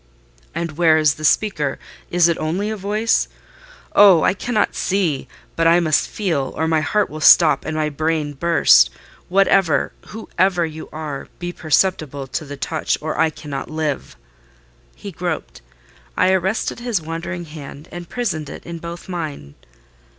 "And where is the speaker? Is it only a voice? Oh! I cannot see, but I must feel, or my heart will stop and my brain burst. Whatever—whoever you are—be perceptible to the touch or I cannot live!" He groped; I arrested his wandering hand, and prisoned it in both mine.